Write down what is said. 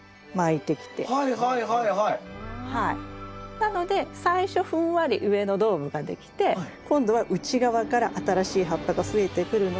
なので最初ふんわり上のドームができて今度は内側から新しい葉っぱが増えてくるので。